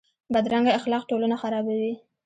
بدرنګه اخلاق ټولنه خرابوي